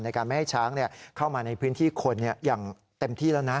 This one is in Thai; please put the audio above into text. ในการไม่ให้ช้างเข้ามาในพื้นที่คนอย่างเต็มที่แล้วนะ